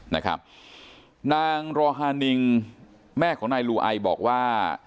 นางรอฮานิงแม่ของนายลูไอบอกว่า